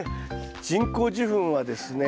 人工授粉はですね